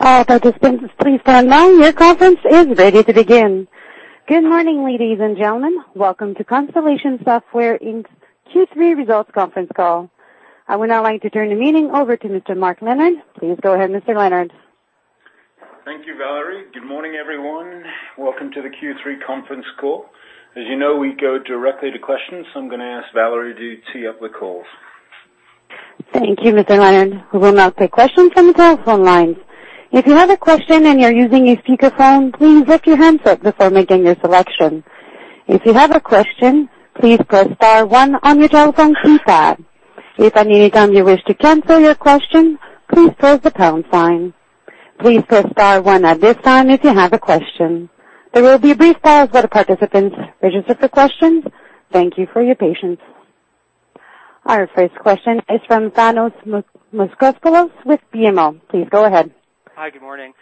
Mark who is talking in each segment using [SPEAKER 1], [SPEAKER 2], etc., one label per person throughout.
[SPEAKER 1] All participants, please stand by. Your conference is ready to begin. Good morning, ladies and gentlemen. Welcome to Constellation Software Inc.'s Q3 Results Conference Call. I would now like to turn the meeting over to Mr. Mark Leonard. Please go ahead, Mr. Leonard.
[SPEAKER 2] Thank you, Valerie. Good morning, everyone. Welcome to the Q3 conference call. As you know, we go directly to questions, I'm going to ask Valerie to tee up the calls.
[SPEAKER 1] Thank you, Mr. Leonard. We will now take questions from the telephone lines. If you have a question and you're using a speakerphone, please mute your handset before making your selection. If you have a question, please press star one on your telephone keypad. If at any time you wish to cancel your question, please press the pound sign. Please press star one at this time if you have a question. There will be a brief pause while participants register for questions. Thank you for your patience. Our first question is from Thanos Moschopoulos with BMO. Please go ahead.
[SPEAKER 3] Hi. Good morning.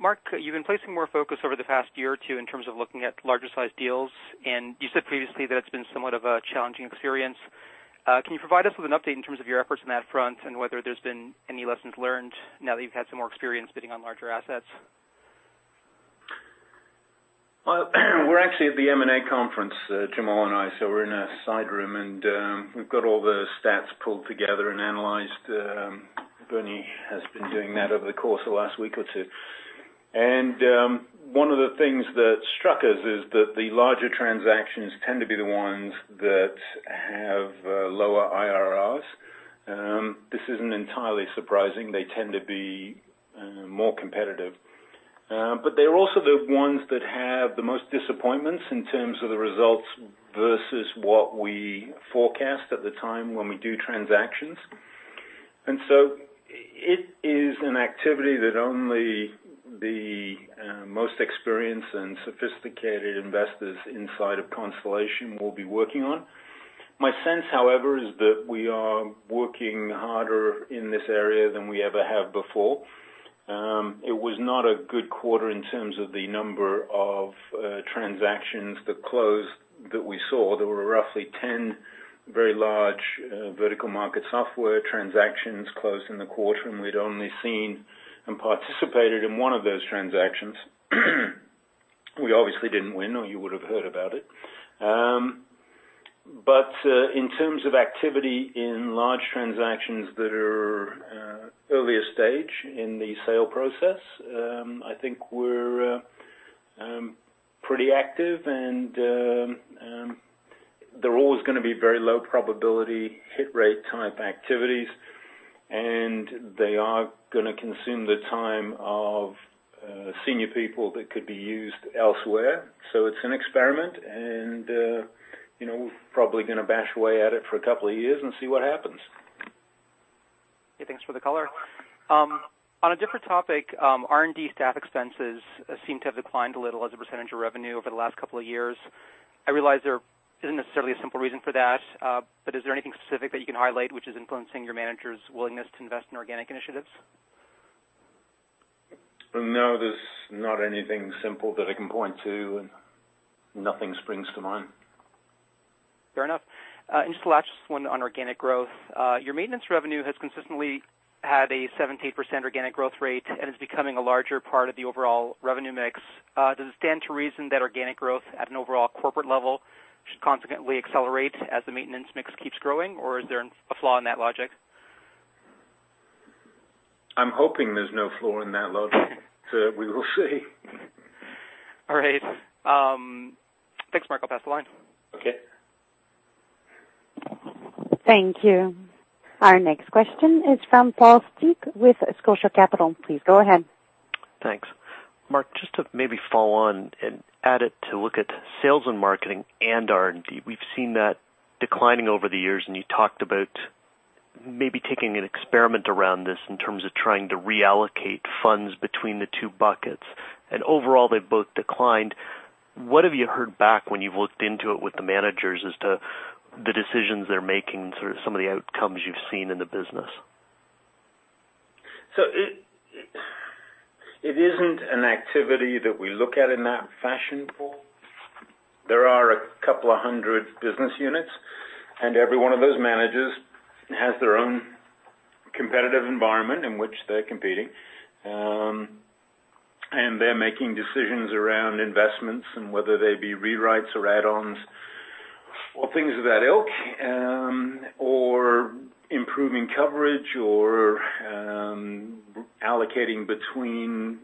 [SPEAKER 3] Mark, you've been placing more focus over the past year or two in terms of looking at larger-sized deals. You said previously that it's been somewhat of a challenging experience. Can you provide us with an update in terms of your efforts on that front and whether there's been any lessons learned now that you've had some more experience bidding on larger assets?
[SPEAKER 2] We're actually at the M&A conference, Jamal and I, so we're in a side room, and we've got all the stats pulled together and analyzed. Bernie has been doing that over the course of the last week or two. One of the things that struck us is that the larger transactions tend to be the ones that have lower IRRs. This isn't entirely surprising. They tend to be more competitive. They're also the ones that have the most disappointments in terms of the results versus what we forecast at the time when we do transactions. It is an activity that only the most experienced and sophisticated investors inside of Constellation will be working on. My sense, however, is we are working harder in this area than we ever have before. It was not a good quarter in terms of the number of transactions that closed that we saw. There were roughly 10 very large vertical market software transactions closed in the quarter, and we'd only seen and participated in one of those transactions. We obviously didn't win, or you would have heard about it. In terms of activity in large transactions that are earlier stage in the sale process, I think we're pretty active, and they're always going to be very low probability hit rate type activities, and they are going to consume the time of senior people that could be used elsewhere. It's an experiment and we're probably going to bash away at it for a couple of years and see what happens.
[SPEAKER 3] Okay. Thanks for the color. On a different topic, R&D staff expenses seem to have declined a little as a % of revenue over the last couple of years. I realize there isn't necessarily a simple reason for that, but is there anything specific that you can highlight which is influencing your managers' willingness to invest in organic initiatives?
[SPEAKER 2] No, there's not anything simple that I can point to. Nothing springs to mind.
[SPEAKER 3] Fair enough. Just the last one on organic growth. Your maintenance revenue has consistently had a 17% organic growth rate and is becoming a larger part of the overall revenue mix. Does it stand to reason that organic growth at an overall corporate level should consequently accelerate as the maintenance mix keeps growing, or is there a flaw in that logic?
[SPEAKER 2] I'm hoping there's no flaw in that logic. We will see.
[SPEAKER 3] All right. Thanks, Mark. I'll pass the line.
[SPEAKER 2] Okay.
[SPEAKER 1] Thank you. Our next question is from Paul Steep with Scotia Capital. Please go ahead.
[SPEAKER 4] Thanks. Mark, just to maybe follow on and add it to look at sales and marketing and R&D. We've seen that declining over the years, and you talked about maybe taking an experiment around this in terms of trying to reallocate funds between the two buckets. Overall, they've both declined. What have you heard back when you've looked into it with the managers as to the decisions they're making, sort of some of the outcomes you've seen in the business?
[SPEAKER 2] It isn't an activity that we look at in that fashion, Paul. There are a couple of hundred business units, and every one of those managers has their own competitive environment in which they're competing. They're making decisions around investments and whether they be rewrites or add-ons or things of that ilk, or improving coverage or allocating between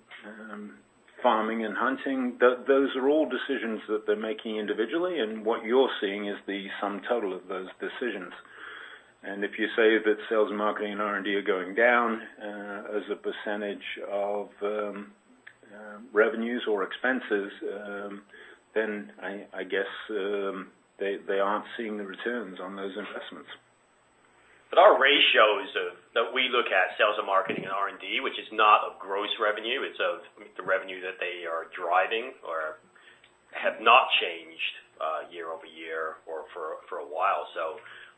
[SPEAKER 2] farming and hunting. Those are all decisions that they're making individually, and what you're seeing is the sum total of those decisions. If you say that sales and marketing and R&D are going down as a percentage of revenues or expenses, I guess they aren't seeing the returns on those investments.
[SPEAKER 5] Our ratios that we look at, sales and marketing and R&D, which is not of gross revenue, it's of the revenue that they are driving or have not changed year-over-year or for a while.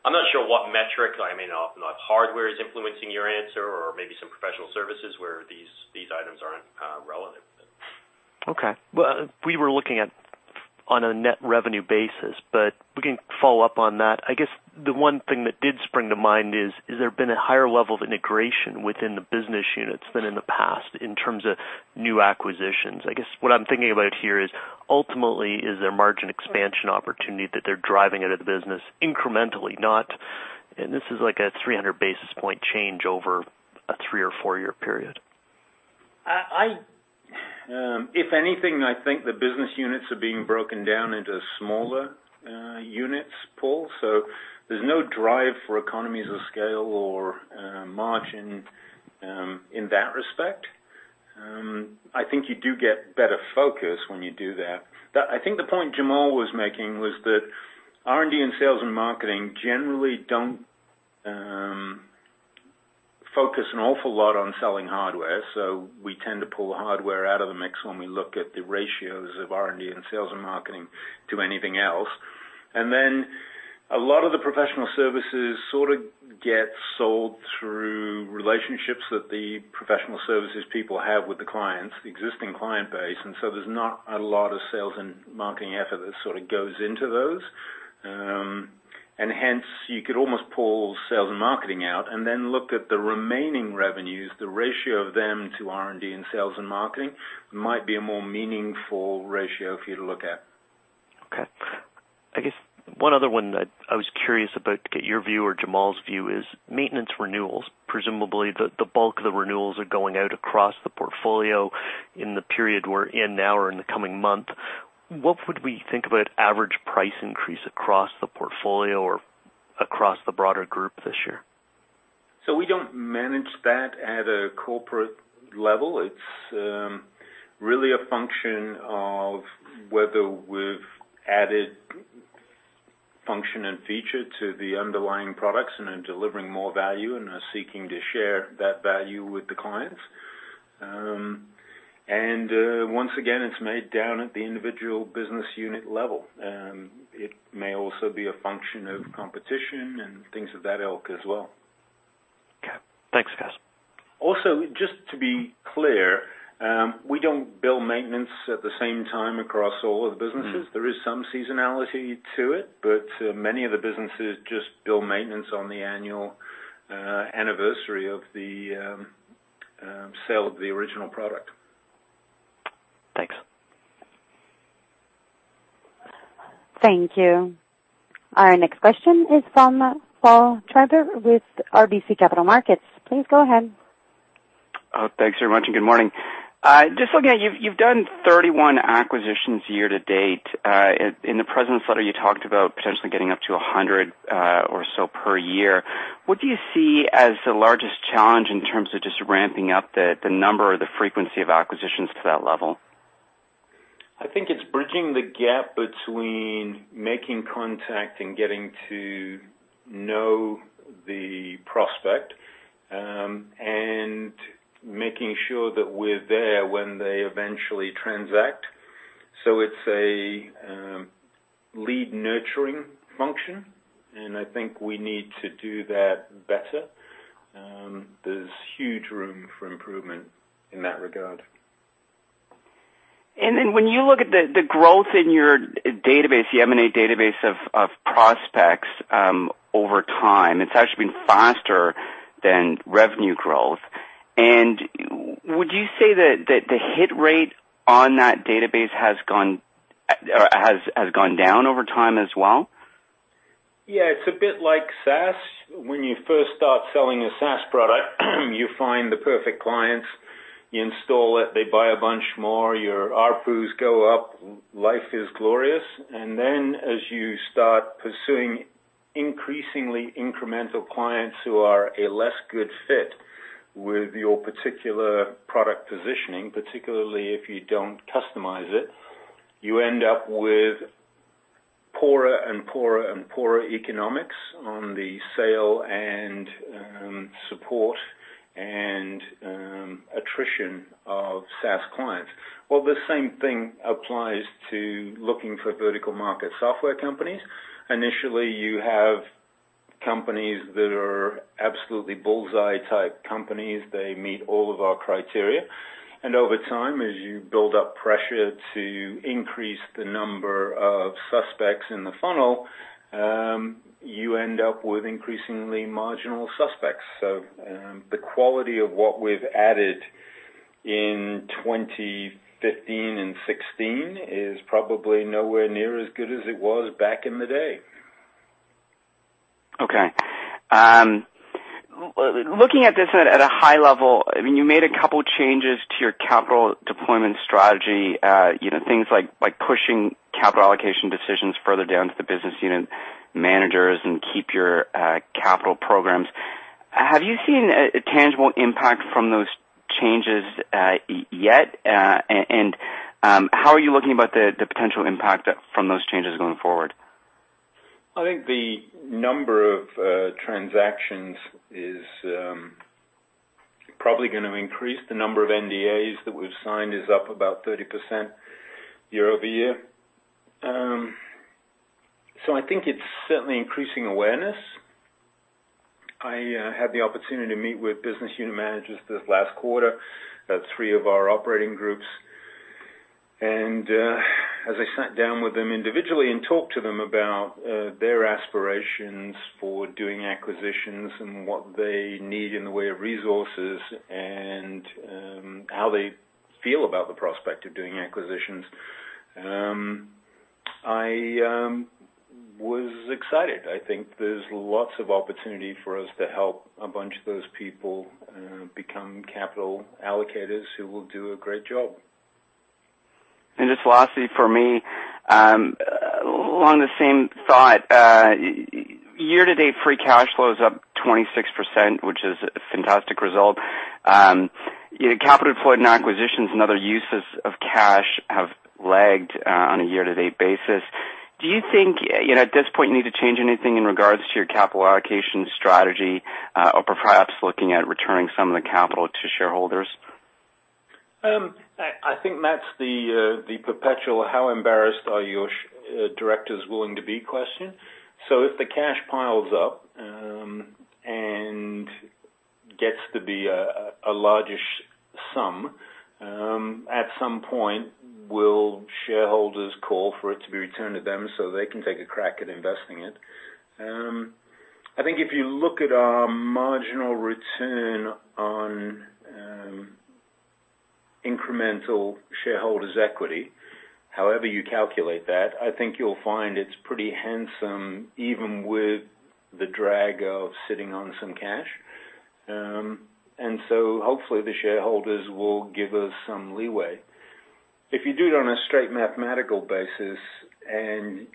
[SPEAKER 5] I'm not sure what metric, I mean, not hardware is influencing your answer or maybe some professional services where these items aren't relevant.
[SPEAKER 4] Okay. Well, we were looking at on a net revenue basis, we can follow up on that. I guess the one thing that did spring to mind is, has there been a higher level of integration within the business units than in the past in terms of new acquisitions? I guess what I'm thinking about here is ultimately, is there a margin expansion opportunity that they're driving out of the business incrementally, not, this is like a 300 basis point change over a three or four-year period.
[SPEAKER 2] If anything, I think the business units are being broken down into smaller units, Paul. There's no drive for economies of scale or margin in that respect. I think you do get better focus when you do that. I think the point Jamal was making was that R&D and sales and marketing generally don't focus an awful lot on selling hardware. We tend to pull the hardware out of the mix when we look at the ratios of R&D and sales and marketing to anything else. A lot of the professional services sort of get sold through relationships that the professional services people have with the clients, the existing client base. There's not a lot of sales and marketing effort that sort of goes into those. You could almost pull sales and marketing out and then look at the remaining revenues. The ratio of them to R&D and sales and marketing might be a more meaningful ratio for you to look at.
[SPEAKER 4] Okay. I guess one other one that I was curious about to get your view or Jamal's view is maintenance renewals. Presumably, the bulk of the renewals are going out across the portfolio in the period we're in now or in the coming month. What would we think about average price increase across the portfolio or across the broader group this year?
[SPEAKER 2] We don't manage that at a corporate level. It's really a function of whether we've added function and feature to the underlying products and are delivering more value and are seeking to share that value with the clients. Once again, it's made down at the individual business unit level. It may also be a function of competition and things of that ilk as well.
[SPEAKER 4] Okay. Thanks, guys.
[SPEAKER 2] Just to be clear, we don't bill maintenance at the same time across all of the businesses. There is some seasonality to it, but many of the businesses just bill maintenance on the annual anniversary of the sale of the original product.
[SPEAKER 4] Thanks.
[SPEAKER 1] Thank you. Our next question is from Paul Treiber with RBC Capital Markets. Please go ahead.
[SPEAKER 6] Thanks very much, good morning. Just looking at, you've done 31 acquisitions year to date. In the President's Letter, you talked about potentially getting up to 100 or so per year. What do you see as the largest challenge in terms of just ramping up the number or the frequency of acquisitions to that level?
[SPEAKER 2] I think it's bridging the gap between making contact and getting to know the prospect, and making sure that we're there when they eventually transact. It's a lead nurturing function, and I think we need to do that better. There's huge room for improvement in that regard.
[SPEAKER 6] When you look at the growth in your database, the M&A database of prospects over time, it's actually been faster than revenue growth. Would you say that the hit rate on that database has gone down over time as well?
[SPEAKER 2] It's a bit like SaaS. When you first start selling a SaaS product, you find the perfect clients, you install it, they buy a bunch more, your ARPUs go up, life is glorious. As you start pursuing increasingly incremental clients who are a less good fit with your particular product positioning, particularly if you don't customize it, you end up with poorer and poorer and poorer economics on the sale and support and attrition of SaaS clients. The same thing applies to looking for vertical market software companies. Initially, you have companies that are absolutely bullseye type companies. They meet all of our criteria. Over time, as you build up pressure to increase the number of suspects in the funnel, you end up with increasingly marginal suspects. The quality of what we've added in 2015 and 2016 is probably nowhere near as good as it was back in the day.
[SPEAKER 6] Looking at this at a high level, you made a couple changes to your capital deployment strategy. Things like pushing capital allocation decisions further down to the business unit managers and Keep Our Capital programs. Have you seen a tangible impact from those changes yet? How are you looking about the potential impact from those changes going forward?
[SPEAKER 2] I think the number of transactions is probably going to increase. The number of NDAs that we've signed is up about 30% year-over-year. I think it's certainly increasing awareness I had the opportunity to meet with business unit managers this last quarter at three of our operating groups. As I sat down with them individually and talked to them about their aspirations for doing acquisitions and what they need in the way of resources and how they feel about the prospect of doing acquisitions, I was excited. I think there's lots of opportunity for us to help a bunch of those people become capital allocators who will do a great job.
[SPEAKER 6] Just lastly, for me, along the same thought, year-to-date free cash flow is up 26%, which is a fantastic result. Capital deployed in acquisitions and other uses of cash have lagged on a year-to-date basis. Do you think at this point you need to change anything in regards to your capital allocation strategy or perhaps looking at returning some of the capital to shareholders?
[SPEAKER 2] I think that's the perpetual how embarrassed are your directors willing to be question. If the cash piles up and gets to be a large sum, at some point will shareholders call for it to be returned to them so they can take a crack at investing it? I think if you look at our marginal return on incremental shareholders' equity, however you calculate that, I think you'll find it's pretty handsome, even with the drag of sitting on some cash. Hopefully the shareholders will give us some leeway. If you do it on a straight mathematical basis and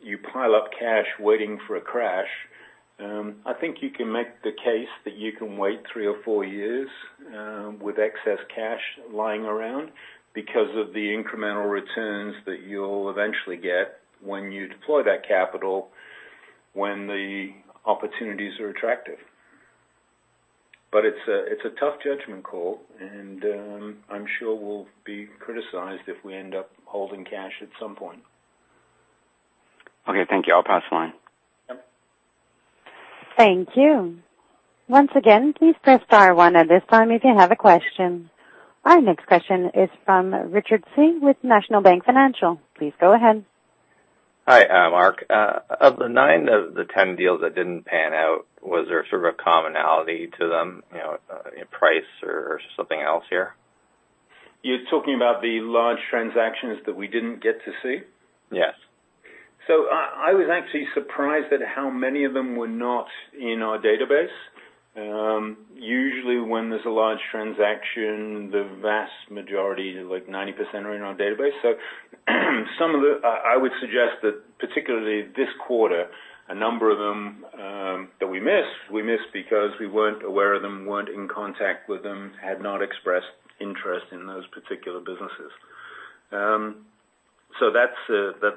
[SPEAKER 2] you pile up cash waiting for a crash, I think you can make the case that you can wait three or four years with excess cash lying around because of the incremental returns that you'll eventually get when you deploy that capital when the opportunities are attractive. It's a tough judgment call, and I'm sure we'll be criticized if we end up holding cash at some point.
[SPEAKER 6] Okay. Thank you. I'll pass the line.
[SPEAKER 1] Thank you. Once again, please press star one at this time if you have a question. Our next question is from Richard Tse with National Bank Financial. Please go ahead.
[SPEAKER 7] Hi, Mark. Of the nine of the 10 deals that didn't pan out, was there sort of a commonality to them, in price or something else here?
[SPEAKER 2] You're talking about the large transactions that we didn't get to see?
[SPEAKER 7] Yes.
[SPEAKER 2] I was actually surprised at how many of them were not in our database. Usually when there's a large transaction, the vast majority, like 90%, are in our database. I would suggest that particularly this quarter, a number of them that we missed, we missed because we weren't aware of them, weren't in contact with them, had not expressed interest in those particular businesses.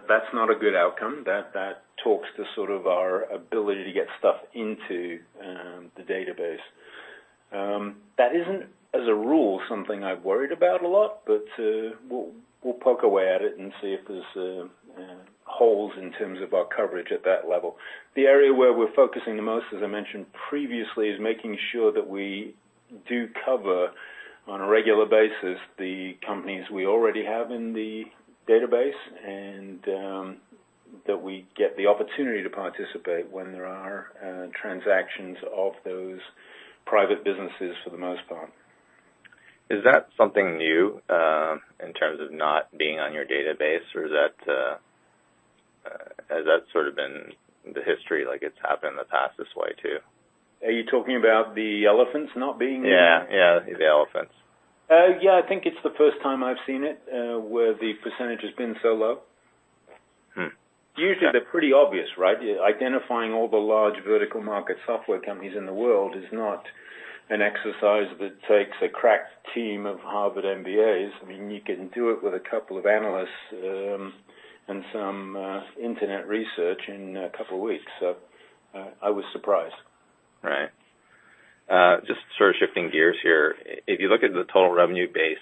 [SPEAKER 2] That's not a good outcome. That talks to sort of our ability to get stuff into the database. That isn't, as a rule, something I've worried about a lot, but we'll poke away at it and see if there's holes in terms of our coverage at that level. The area where we're focusing the most, as I mentioned previously, is making sure that we do cover on a regular basis the companies we already have in the database and that we get the opportunity to participate when there are transactions of those private businesses for the most part.
[SPEAKER 7] Is that something new, in terms of not being on your database, or has that sort of been the history, like it's happened in the past this way, too?
[SPEAKER 2] Are you talking about the elephants not being in there?
[SPEAKER 7] Yeah. The elephants.
[SPEAKER 2] Yeah, I think it's the first time I've seen it, where the percentage has been so low. Usually they're pretty obvious, right? Identifying all the large vertical market software companies in the world is not an exercise that takes a crack team of Harvard MBAs. You can do it with a couple of analysts and some internet research in a couple of weeks. I was surprised.
[SPEAKER 7] Right. Just sort of shifting gears here. If you look at the total revenue base,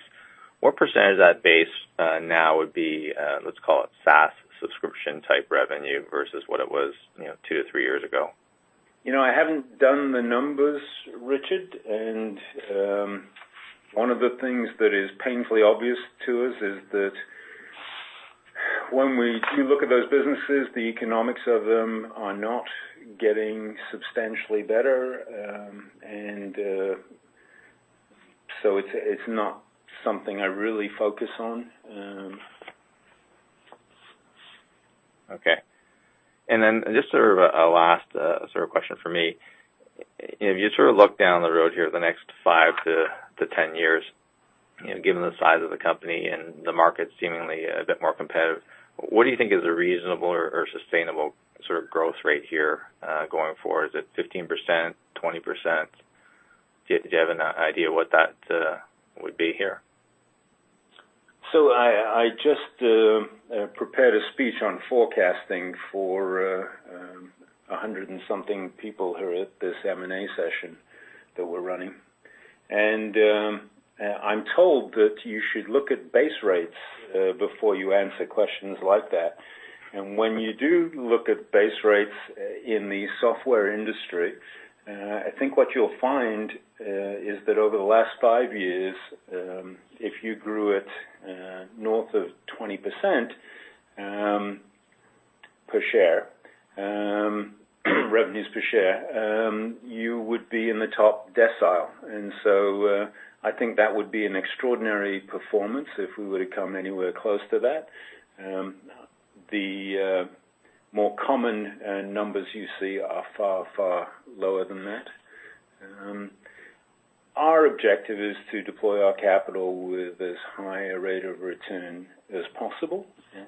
[SPEAKER 7] what % of that base now would be, let's call it SaaS subscription type revenue versus what it was two to three years ago?
[SPEAKER 2] I haven't done the numbers, Richard, and one of the things that is painfully obvious to us is that if you look at those businesses, the economics of them are not getting substantially better. So it's not something I really focus on.
[SPEAKER 7] Okay. Just a last question for me. If you look down the road here the next five to 10 years, given the size of the company and the market seemingly a bit more competitive, what do you think is a reasonable or sustainable growth rate here going forward? Is it 15%, 20%? Do you have an idea what that would be here?
[SPEAKER 2] I just prepared a speech on forecasting for 100 and something people who are at this M&A session that we're running. I'm told that you should look at base rates before you answer questions like that. When you do look at base rates in the software industry, I think what you'll find is that over the last five years, if you grew it north of 20% revenues per share, you would be in the top decile. So I think that would be an extraordinary performance if we were to come anywhere close to that. The more common numbers you see are far, far lower than that. Our objective is to deploy our capital with as high a rate of return as possible.
[SPEAKER 7] Yes.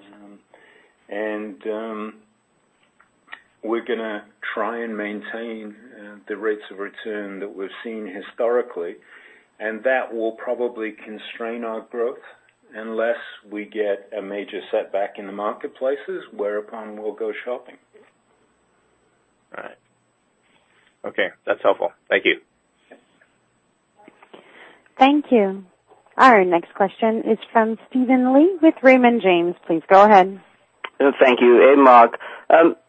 [SPEAKER 2] We're going to try and maintain the rates of return that we've seen historically, that will probably constrain our growth unless we get a major setback in the marketplaces, whereupon we'll go shopping.
[SPEAKER 7] All right. Okay, that's helpful. Thank you.
[SPEAKER 2] Okay.
[SPEAKER 1] Thank you. Our next question is from Steven Li with Raymond James. Please go ahead.
[SPEAKER 8] Thank you. Hey, Mark.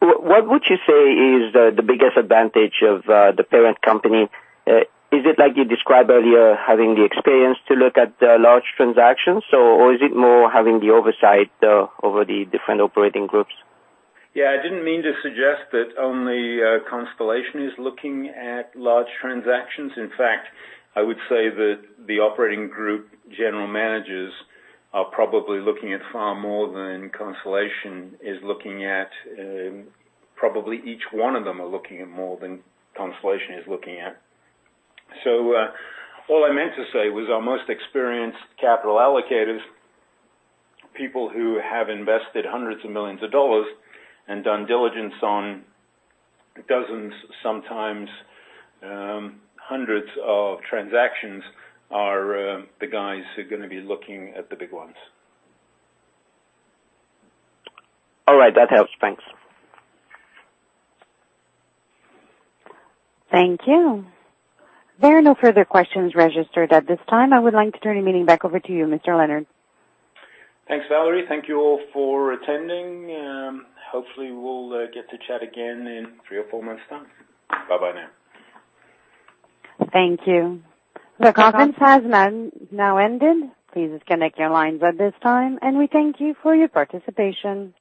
[SPEAKER 8] What would you say is the biggest advantage of the parent company? Is it like you described earlier, having the experience to look at large transactions, or is it more having the oversight over the different operating groups?
[SPEAKER 2] Yeah, I didn't mean to suggest that only Constellation is looking at large transactions. In fact, I would say that the operating group general managers are probably looking at far more than Constellation is looking at. Probably each one of them are looking at more than Constellation is looking at. All I meant to say was our most experienced capital allocators, people who have invested hundreds of millions of dollars and done diligence on dozens, sometimes hundreds of transactions are the guys who are going to be looking at the big ones.
[SPEAKER 8] All right, that helps. Thanks.
[SPEAKER 1] Thank you. There are no further questions registered at this time. I would like to turn the meeting back over to you, Mr. Leonard.
[SPEAKER 2] Thanks, Valerie. Thank you all for attending. Hopefully, we'll get to chat again in three or four months' time. Bye-bye now.
[SPEAKER 1] Thank you. The conference has now ended. Please disconnect your lines at this time, and we thank you for your participation.